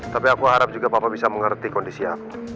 tapi aku harap juga papa bisa mengerti kondisi aku